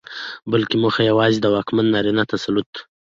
بلکې موخه يواځې د واکمن نارينه تسلط